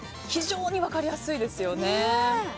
非常に分かりやすいですよね。